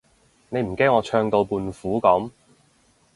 你唔驚我唱到胖虎噉？